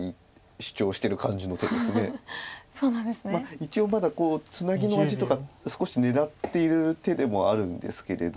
一応まだツナギの味とか少し狙っている手でもあるんですけれど。